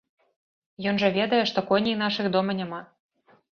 Ён жа ведае, што коней нашых дома няма.